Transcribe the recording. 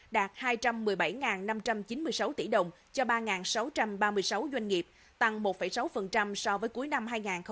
đạt hai trăm một mươi bảy năm trăm chín mươi sáu tỷ đồng cho ba sáu trăm ba mươi sáu doanh nghiệp tăng một sáu so với cuối năm hai nghìn một mươi tám